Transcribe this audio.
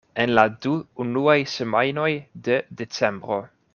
En la du unuaj semajnoj de Decembro.